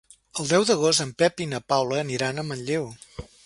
El deu d'agost en Pep i na Paula aniran a Manlleu.